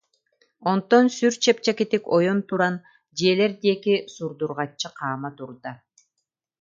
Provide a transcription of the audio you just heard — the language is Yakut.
Онтон сүр чэпчэкитик ойон туран, дьиэлэр диэки сурдурҕаччы хаама турда